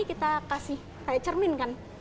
kita kasih kayak cermin kan